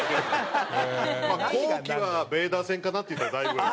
「まあ後期はベイダー戦かな」って言ったらだいぶ。